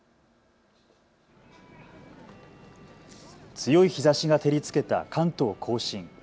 強い日ざしが照りつけた関東甲信。